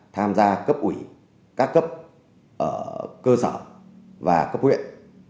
tham gia cấp ủy các cấp ở cơ sở và cấp huyện